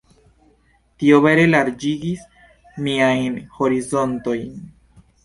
Tio vere larĝigis miajn horizontojn.